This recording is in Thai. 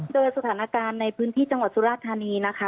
โดยสถานการณ์ในพื้นที่จังหวัดสุราธานีนะคะ